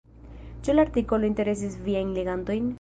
Ĉu la artikolo interesis viajn legantojn?